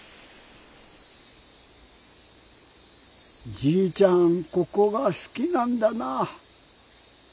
じいちゃんここがすきなんだな。